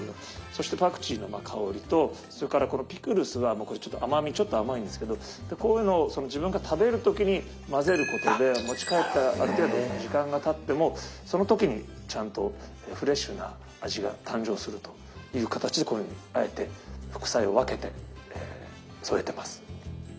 そしてパクチーの香りとそれからこのピクルスは甘みちょっと甘いんですけどこういうのを自分が食べる時に混ぜることで持ち帰ってある程度時間がたってもその時にちゃんとフレッシュな味が誕生するという形でこのようにあえて副菜を分けて添えてます。